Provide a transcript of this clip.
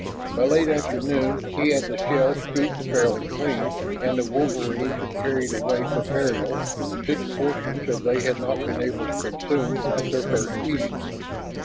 By late afternoon he had the shell scooped fairly clean and the wolverines had carried away for burial such portions as they had not been able to consume at their first eating.